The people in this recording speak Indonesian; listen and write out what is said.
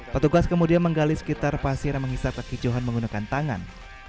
petugas kemudian menggali sekitar pasir yang menghisap kaki johan menggunakan tangan